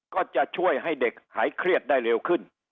ก็จะช่วยให้เด็กหายเครียดได้เร็วขึ้น